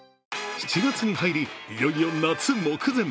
７月に入り、いよいよ夏目前。